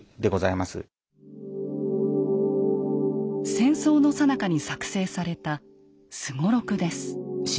戦争のさなかに作製された「すごろく」です。